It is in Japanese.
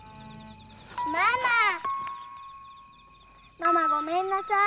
ママごめんなさい。